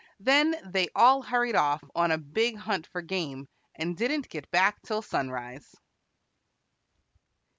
Then they all hurried off on a big hunt for game, and didn't get back till sunrise.